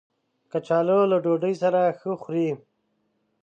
کچالو له ډوډۍ سره ښه خوري